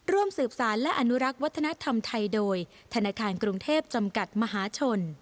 ร่วมสืบสารและอนุรักษ์วัฒนธรรมไทยโดยธนาคารกรุงเทพจำกัดมหาชน